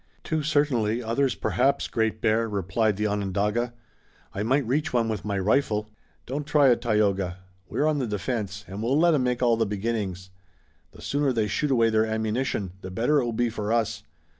"Two certainly, others perhaps, Great Bear," replied the Onondaga. "I might reach one with my rifle." "Don't try it, Tayoga. We're on the defense, and we'll let 'em make all the beginnings. The sooner they shoot away their ammunition the better it will be for us.